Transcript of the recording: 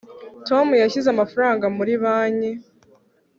tom yashyize amafaranga muri banki